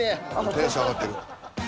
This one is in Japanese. テンション上がってる。